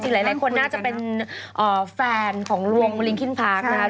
หลายคนน่าจะเป็นแฟนของลวงคุณลิงคิ้นพาร์คนะครับ